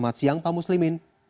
selamat siang pak muslimin